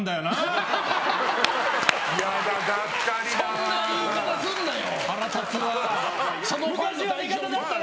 そんな言い方すんなよ！